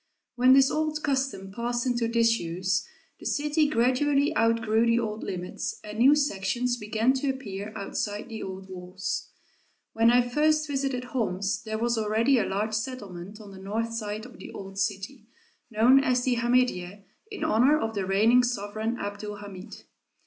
When this old custom passed into disuse, the city gradually outgrew the old limits and new sections began to appear outside the old walls. When I first visited Homs, there was already a large settlement on the north side of the old city, known as the Hamidiyeh in honor of the reigning sovereign Abd ul Hamid.